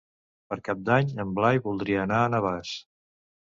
Per Cap d'Any en Blai voldria anar a Navàs.